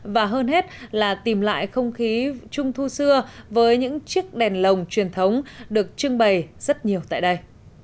và hơn hết là tìm lại không khí trung thu xưa với những chiếc đèn lồng truyền thống được trưng bày rất nhiều tại đây